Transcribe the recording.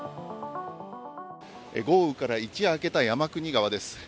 豪雨から一夜明けた山国川です。